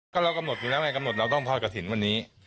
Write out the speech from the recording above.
ก็เรากำหนดอยู่แล้วไงกำหนดเราต้องทอดกระถิ่นวันนี้